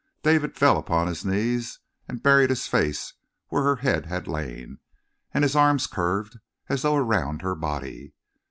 David fell upon his knees and buried his face where her head had lain, and his arms curved as though around her body.